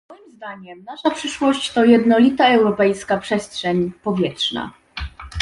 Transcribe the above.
Moim zdaniem nasza przyszłość to jednolita europejska przestrzeń powietrzna